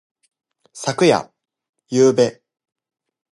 昨夜。ゆうべ。